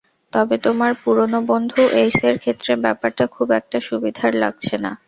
তবে তোমার পুরনো বন্ধু এইসের ক্ষেত্রে ব্যাপারটা খুব একটা সুবিধার লাগছে না।